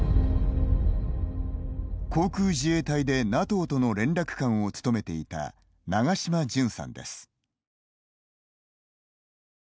航空自衛隊でＮＡＴＯとの連絡官を務めていた長島純さんです。